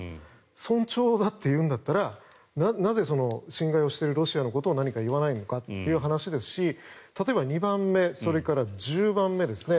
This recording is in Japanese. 尊重だというんだったらなぜその侵害をしているロシアのことを何か言わないのかという話ですし例えば２番目それから１０番目ですね。